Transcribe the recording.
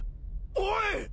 おい！